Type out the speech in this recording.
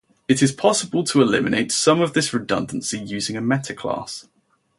It is possible to eliminate some of this redundancy using a metaclass.